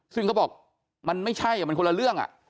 ซึ่งเขาบอกมันไม่ใช่มันคนละเรื่อง